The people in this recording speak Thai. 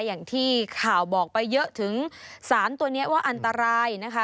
อย่างที่ข่าวบอกไปเยอะถึงสารตัวนี้ว่าอันตรายนะคะ